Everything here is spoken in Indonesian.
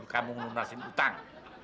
kamu menundasin utang